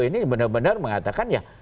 ini benar benar mengatakan ya